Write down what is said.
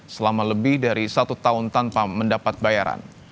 selama lebih dari satu tahun tanpa mendapat bayaran